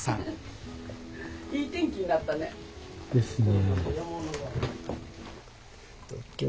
いい天気になったね。ですね。